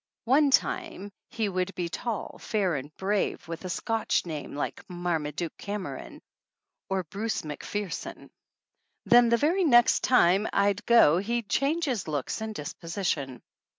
One time he would be tall, fair and brave, with a Scotch name, like Marmaduke Cameron, or Bruce MacPherson. Then the very next time I'd go he'd change his looks and dis position.